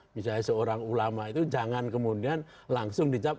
misalnya seorang ulama itu jangan kemudian langsung dijawab